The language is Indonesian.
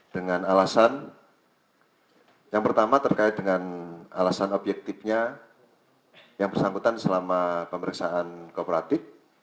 dengan alasan yang pertama terkait dengan alasan objektifnya yang bersangkutan selama pemeriksaan kooperatif